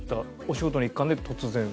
お仕事の一環で突然？